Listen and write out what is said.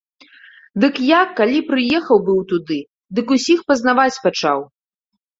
Дык я калі прыехаў быў туды, дык усіх пазнаваць пачаў.